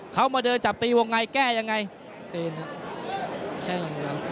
เขามาเดินจับตีวงในแก้ยังไงตื่นครับแค่อย่างเดียว